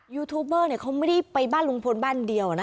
ยูทูบเบอร์เขาไม่ได้ไปบ้านลุงพลบ้านเดียวนะ